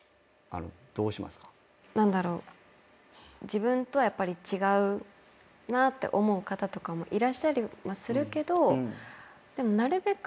自分とはやっぱり違うなって思う方とかもいらっしゃりするけどでもなるべく。